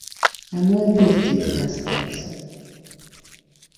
А мы адны з дзецьмі асталіся.